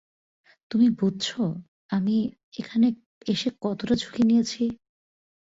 তুমি বুঝছ আমি এখানে এসে কতটা ঝুঁকি নিয়েছি?